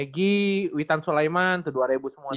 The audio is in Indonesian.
egy witan sulaiman tuh dua ribu semua tuh